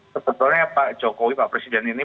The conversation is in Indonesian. sebetulnya pak jokowi pak presiden ini